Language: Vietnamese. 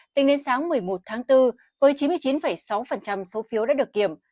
tính đến sáng một mươi một tháng bốn với chín mươi chín sáu số phiếu đã được kiểm